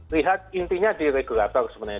lihat intinya di regulator sebenarnya